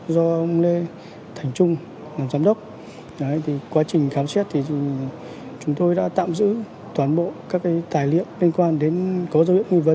do ông lê thành trung làm giám đốc thì quá trình khám xét thì chúng tôi đã tạm giữ toàn bộ các tài liệu liên quan đến có dấu hiệu nghi vấn